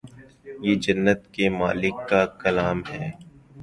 یہ جنت کے مالک کا کلام ہے